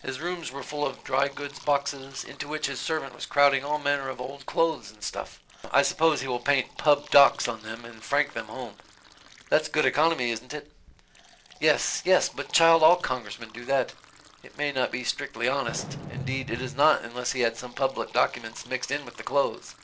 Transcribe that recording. His rooms were full of dry goods boxes, into which his servant was crowding all manner of old clothes and stuff: I suppose he will paint 'Pub. Docs' on them and frank them home. That's good economy, isn't it?" "Yes, yes, but child, all Congressmen do that. It may not be strictly honest, indeed it is not unless he had some public documents mixed in with the clothes."